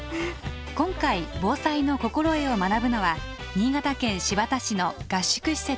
今回防災の心得を学ぶのは新潟県新発田市の合宿施設。